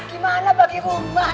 gimana bagi rumah